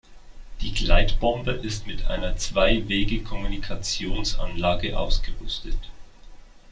Die Gleitbombe ist mit einer Zwei-Wege-Kommunikationsanlage ausgerüstet.